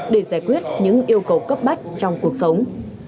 để giải quyết những yêu cầu cấp bách trong cuộc sống